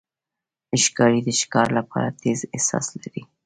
ښکاري د ښکار لپاره تیز احساس لري.